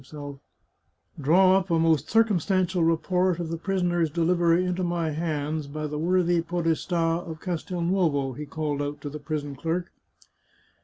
274 The Chartreuse of Parma " Draw up a most circumstantial report of the prisoner's delivery into my hands by the worthy podestd of Castel novo," he called out to the prison clerk.